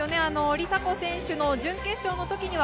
梨紗子選手の準決勝のときには、